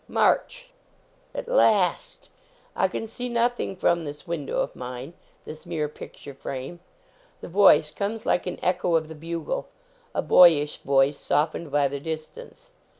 "March!" At lastl I can see nothing from this \vin THE BATTLE OF ARDMORE dovv of mine, this mere picture frame ! The voice comes like an echo of the bugle a boyish voice, softened by the distance.